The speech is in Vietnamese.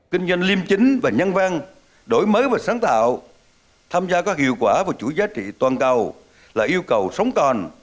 kinh doanh liêm chính và nhân văn đổi mới và sáng tạo tham gia các hiệu quả vào chuỗi giá trị toàn cầu là yêu cầu sống còn